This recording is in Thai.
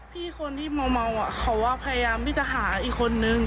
พี่คนที่เมาเขาพยายามที่จะหาอีกคนนึง